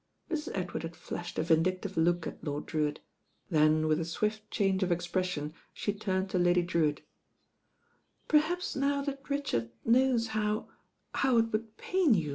Mrs. Edward had flashed a vindictive looK at Lord Drewitt, then with a swift change of expre sion she turned to Lady Drewitt. "Perhaps now that Richard knows how — how it would pain you.